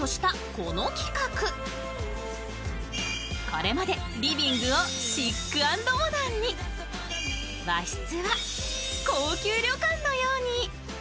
これまでリビングをシック＆モダンに和室は高級旅館のように。